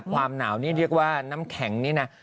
ความหนาวนี่เรียกว่าน้ำแข็งนี่นะ